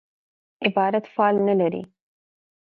عبارت فعل نه لري.